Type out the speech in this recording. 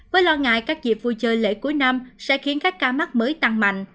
với lo ngại các dịp vui chơi lễ cuối năm sẽ khiến các ca mắc mới tăng mạnh